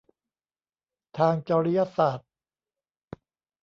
ทางจริยศาสตร์